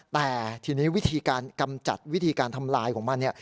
แต่ทีนี้วิธีการกำจัดวิธีการทำลายของมันเนี่ย